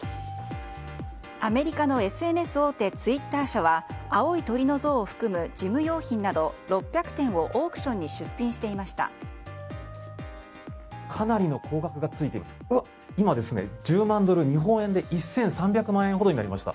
アメリカのＳＮＳ大手ツイッター社は青い鳥の像を含む事務用品など６００点をオークションに出品していました。